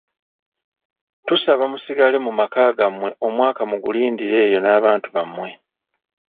Tubasaba musigale mu maka gammwe omwaka mugulindire eyo n'abantu bammwe.